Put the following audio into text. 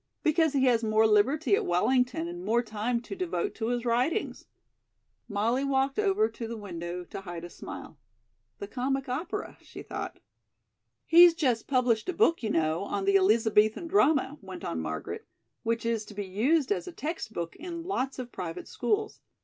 "Because he has more liberty at Wellington and more time to devote to his writings." Molly walked over to the window to hide a smile. "The comic opera," she thought. "He's just published a book, you know, on the 'Elizabethan Drama,'" went on Margaret, "which is to be used as a text book in lots of private schools.